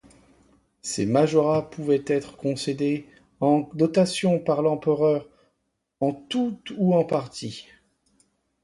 Ces majorats pouvaient être concédés en dotations par l'Empereur en tout ou en partie.